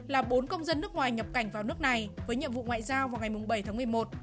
là bốn công dân nước ngoài nhập cảnh vào nước này với nhiệm vụ ngoại giao vào ngày bảy tháng một mươi một